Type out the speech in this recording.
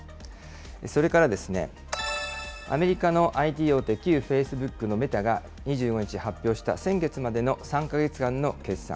それから、アメリカのＩＴ大手、旧フェイスブックのメタが２５日発表した先月までの３か月間の決算。